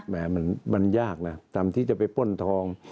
มันยากนะตามที่จะไปป้นทอง